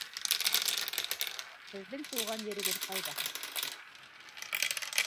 Һеҙҙең тыуған ерегеҙ ҡайҙа?